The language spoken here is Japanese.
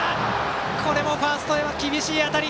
これもファーストへ厳しい当たり。